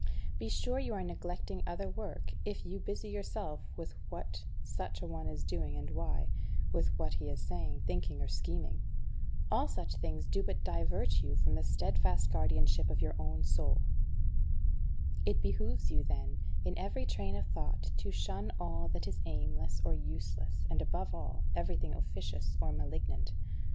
Be sure you are neglecting other work if you busy yourself with what such a one is doing and why, with what he is saying, thinking, or scheming. All such things do but divert you from the steadfast guardianship of your own soul. It behoves you, then, in every train of thought to shun all that is aimless or useless, and, above all, everything officious or malignant.